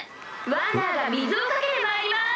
ワンダーが水を掛けてまいります！